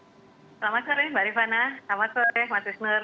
selamat sore mbak rifana selamat sore mas isnur